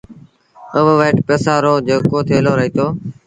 اُئي وٽ پئيسآݩ رو جيڪو ٿيلو رهيٚتو